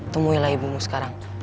temuilah ibumu sekarang